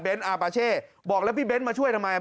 อาปาเช่บอกแล้วพี่เบ้นมาช่วยทำไม